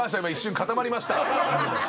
今一瞬固まりました。